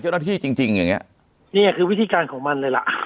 เจ้าหน้าที่จริงจริงอย่างเงี้ยเนี่ยคือวิธีการของมันเลยล่ะ